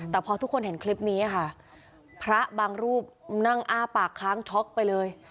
แต่พอทุกคนเห็นคลิปนี้ค่ะพระบางรูปนั่งอ้าปากค้างช็อกไปเลย